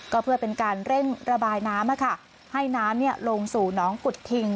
ก็เพื่อเป็นการเร่งระบายน้ำค่ะให้น้ำเนี่ยลงสู่หนองกุดถิ่ง